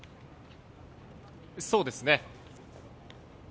そうですね。